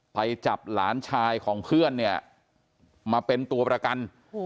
ไปจับหลานชายของเพื่อนเนี่ยมาเป็นตัวประกัน